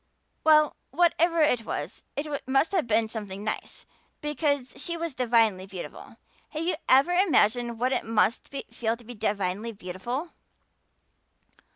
"Well, whatever it was it must have been something nice because she was divinely beautiful. Have you ever imagined what it must feel like to be divinely beautiful?"